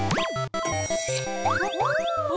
お！